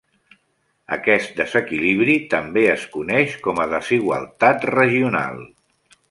Aquest desequilibri també es coneix com a desigualtat regional.